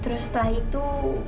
terus setelah itu